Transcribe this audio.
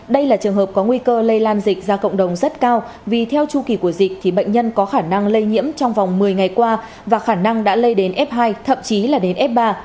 đây là trường hợp có nguy cơ lây lan dịch ra cộng đồng rất cao vì theo chu kỳ của dịch thì bệnh nhân có khả năng lây nhiễm trong vòng một mươi ngày qua và khả năng đã lây đến f hai thậm chí là đến f ba